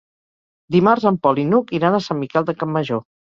Dimarts en Pol i n'Hug iran a Sant Miquel de Campmajor.